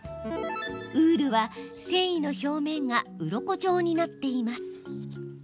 ウールは、繊維の表面がうろこ状になっています。